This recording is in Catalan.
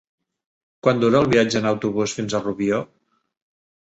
Quant dura el viatge en autobús fins a Rubió?